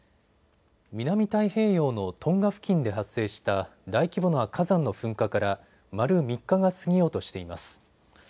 南太平洋のトンガ付近で発生した大規模な火山の噴火から丸３日が過ぎようとしています。